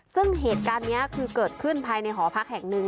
ซึ่งเหตุการณ์นี้คือเกิดขึ้นภายในหอพักแห่งหนึ่ง